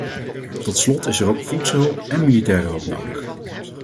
Tot slot is er ook voedselhulp én militaire hulp nodig.